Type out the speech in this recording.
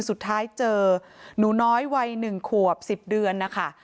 สุดท้ายเจอนุน้อยวัยหนึ่งขวบสิบเดือนนะคะ